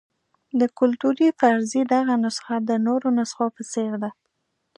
د کلتوري فرضیې دغه نسخه د نورو نسخو په څېر ده.